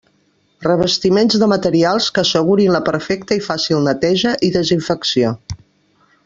Revestiments de materials que assegurin la perfecta i fàcil neteja i desinfecció.